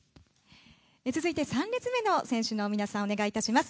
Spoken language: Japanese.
続いて３列目の選手の皆さんお願いいたします。